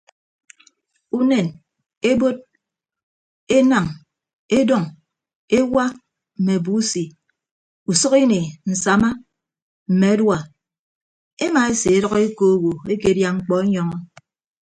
Unen ebod enañ edọñ ewa mme abusi usʌk ini nsama mme adua emaeseedʌk eko owo ekedia mkpọ enyọñọ.